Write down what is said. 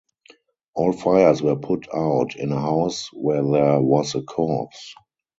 All fires were put out in a house where there was a corpse.